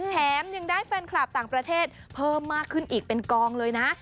แถมยังได้แฟนคลับต่างประเทศเพิ่มมากขึ้นอีกเป็นกองเลยนะ